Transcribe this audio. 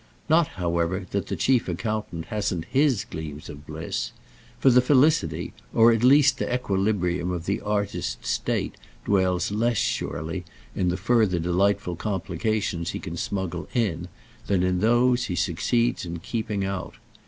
Not, however, that the chief accountant hasn't his gleams of bliss; for the felicity, or at least the equilibrium of the artist's state dwells less, surely, in the further delightful complications he can smuggle in than in those he succeeds in keeping out.